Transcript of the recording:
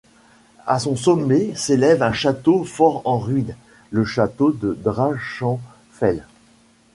À son sommet s'élève un château fort en ruine, le château du Drachenfels.